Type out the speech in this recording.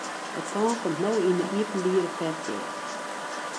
It pân komt no yn 'e iepenbiere ferkeap.